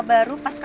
dari kalau rena